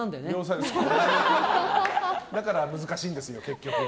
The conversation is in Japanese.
だから難しいんですよ、結局。